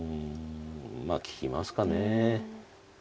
まあ利きますか。